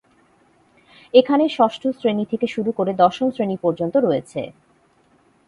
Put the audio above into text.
এখানে ষষ্ঠ শ্রেণি থেকে শুরু করে দশম শ্রেণি পর্যন্ত রয়েছে।